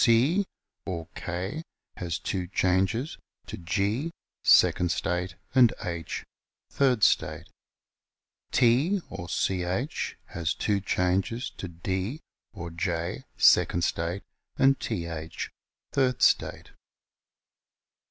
C (or K) * has two changes, to G ( second state) and H (third state). T (or Ch] 2 has two changes, to D (or /) 2 (second state) and Th (third state).